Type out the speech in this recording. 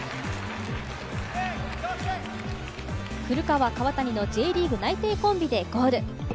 古川・川谷のＪリーグ内定コンビでゴール。